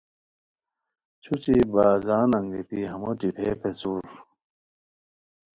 چھوچی بازان انگیتی ہمو ٹیپیئے پیڅھور